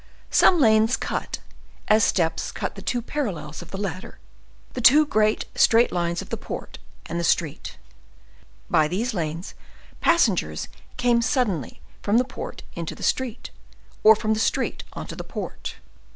Some lanes cut—as steps cut the two parallels of the ladder—the two great straight lines of the port and the street. By these lanes passengers came suddenly from the port into the street, or from the street on to the port.